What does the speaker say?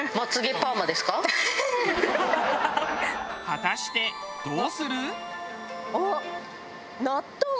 果たしてどうする？